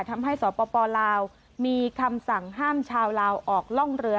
สปลาวมีคำสั่งห้ามชาวลาวออกล่องเรือ